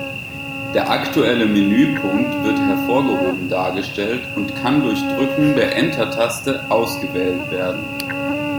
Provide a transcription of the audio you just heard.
Der aktuelle Menüpunkt wird hervorgehoben dargestellt und kann durch Drücken der Enter-Taste ausgewählt werden.